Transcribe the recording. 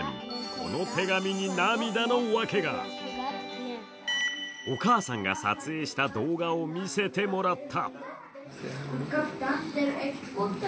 この手紙に涙のわけがお母さんが撮影した動画を見せてもらった。